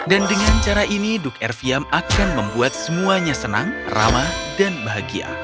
dan dengan cara ini duk erfiam akan membuat semuanya senang ramah dan bahagia